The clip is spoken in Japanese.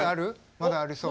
まだありそう？